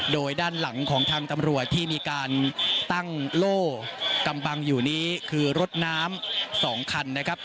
โดยด้านหลังของทางตำรวจที่มีการตั้งโล่กำบังอยู่นี้คือรถน้ำ๒คันนะครับ